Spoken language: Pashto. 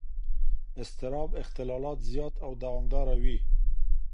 اضطراب اختلالات زیات او دوامداره وي.